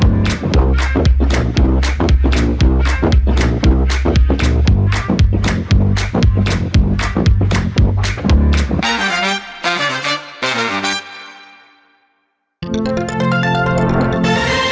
น้ำอักษรีสิทธาคุณหญิงสุดรัสสวัสดีครับ